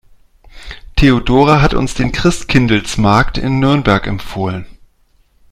Theodora hat uns den Christkindlesmarkt in Nürnberg empfohlen.